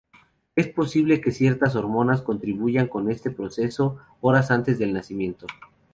Es posible que ciertas hormonas contribuyan con este proceso horas antes del nacimiento.